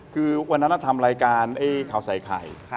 คือวันนั้นทำรายการข่าวใส่ไข่